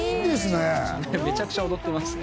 めちゃくちゃ踊ってますね。